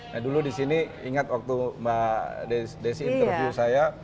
nah dulu di sini ingat waktu mbak desi interview saya